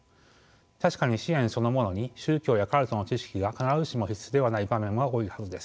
確かに支援そのものに宗教やカルトの知識が必ずしも必須でない場面は多いはずです。